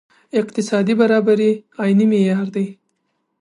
اقتصادي برابري عیني معیار دی.